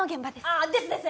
ああですです！